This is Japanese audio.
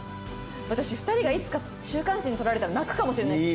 私２人がいつか週刊誌に撮られたら泣くかもしれないです